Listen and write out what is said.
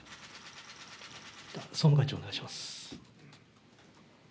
総務会長、お願いします。